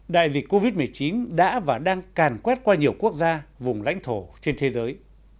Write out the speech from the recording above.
đại dịch covid một mươi chín đã và đang càn quét qua nhiều quốc gia vùng lãnh thổ trên thế giới